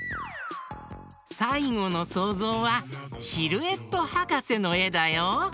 さいごのそうぞうはシルエットはかせのえだよ。